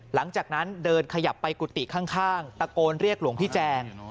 หลังจากนั้นเดินขยับไปกุฏิข้างตะโกนเรียกหลวงพี่แจง